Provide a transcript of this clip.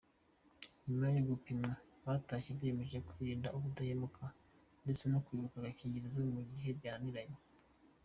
Nyuma yo gupimwa batashye biyemeje kwirinda, ubudahemuka, ndetse no kwibuka agakingirizo, mu gihe byananiranye.